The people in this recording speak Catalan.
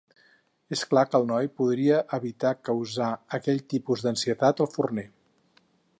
És clar que el noi podria evitar causar aquell tipus d'ansietat al forner.